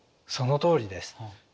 そのとおりです。